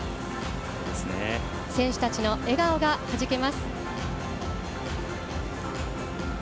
選手たちの笑顔がはじけます。